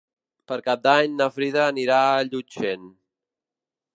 Per Cap d'Any na Frida anirà a Llutxent.